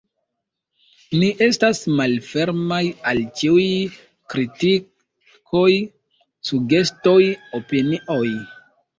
Ni estas malfermaj al ĉiuj kritikoj, sugestoj, opinioj.